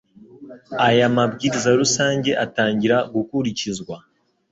Aya mabwiriza rusange atangira gukurikizwa